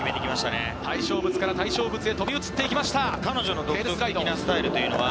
対象物から対象物へ飛び移っていきました。